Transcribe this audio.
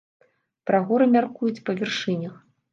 Пра горы мяркуюць па вяршынях.